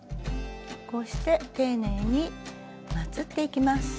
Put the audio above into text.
こうして丁寧にまつっていきます。